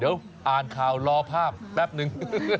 เดี๋ยวอ่านข่าวรอภาพแป๊บนึง